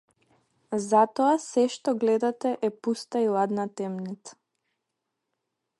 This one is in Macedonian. Затоа сѐ што гледате е пуста и ладна темница.